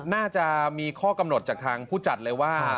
น่าจะมีข้อกำหนดจากทางผู้จัดเลยว่า